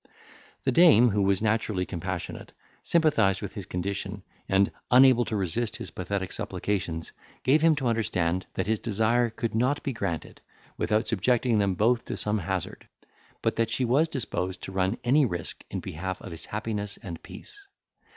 The dame, who was naturally compassionate, sympathised with his condition, and, unable to resist his pathetic supplications, gave him to understand that his desire could not be granted, without subjecting them both to some hazard, but that she was disposed to run any risk in behalf of his happiness and peace.